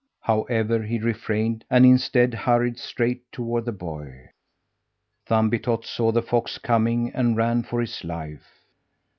However, he refrained and instead hurried straight toward the boy. Thumbietot saw the fox coming and ran for his life.